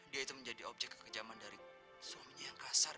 dia itu menjadi objek kekejaman dari suaminya yang kasar